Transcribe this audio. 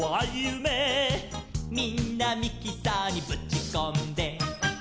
「みんなミキサーにぶちこんで」